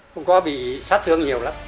không có bị sát thương nhiều lắm